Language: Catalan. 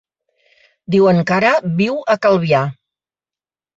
Diuen que ara viu a Calvià.